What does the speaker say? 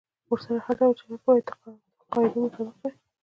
ورسره هر ډول چلند باید د قاعدو مطابق وي.